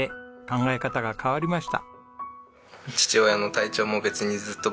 考え方が変わりました。